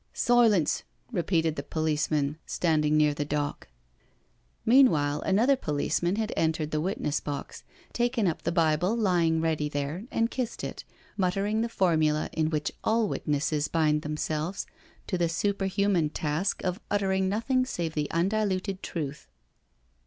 " Silence," repeated the policeman standing near the dock. Meanwhile, another policeman had entered the witness box, taken up the Bible lying ready there and kissed it, muttering the formula in which all wit nesses bind themselves to the superhuman task of utter ing nothing save the undiluted truth.